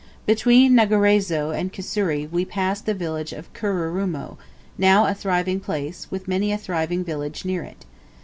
Between Ngaraiso and Kusuri we passed the village of Kirurumo, now a thriving place, with many a thriving village near it.